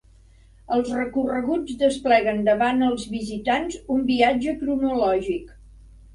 Els recorreguts despleguen davant els visitants un viatge cronològic.